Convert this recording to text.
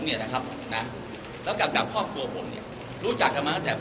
และแข่งกับครอบครัวทุกคนรู้จักฯมากันกันศาววัด